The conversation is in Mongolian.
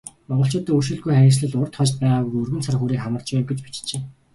Монголчуудын өршөөлгүй харгислал урьд хожид байгаагүй өргөн цар хүрээг хамарч байв гэж бичжээ.